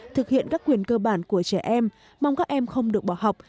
thực hiện các quyền cơ bản của trẻ em mong các em không được bỏ học